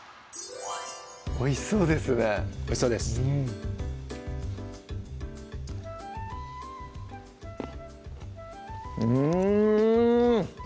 おいしそうですねおいしそうですうん！